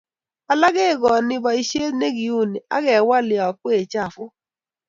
alak kegoni boishet negiuni agewal yokwee chafuk